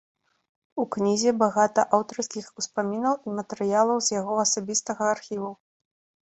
У кнізе багата аўтарскіх успамінаў і матэрыялаў з яго асабістага архіву.